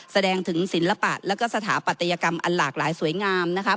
แสดงถึงศิลปะแล้วก็สถาปัตยกรรมอันหลากหลายสวยงามนะคะ